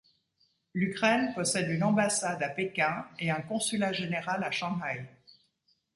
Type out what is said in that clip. L'Ukraine possède une ambassade à Pékin et un consulat général à Shanghaï.